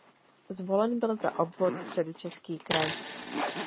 Zvolen byl za obvod Středočeský kraj.